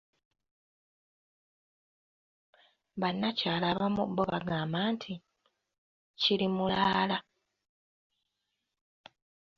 Bannakyala abamu bo bagamba nti "Kirimulaala"